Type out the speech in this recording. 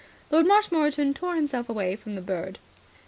Lord Marshmoreton tore himself away from the bird.